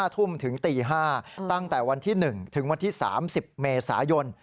ทุ่มถึงตี๕ตั้งแต่วันที่๑ถึงวันที่๓๐เมษายน